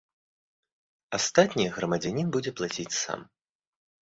Астатняе грамадзянін будзе плаціць сам.